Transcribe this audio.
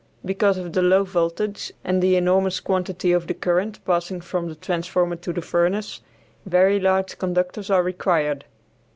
Because of the low voltage and enormous quantity of the current passing from the transformer to the furnace very large conductors are required.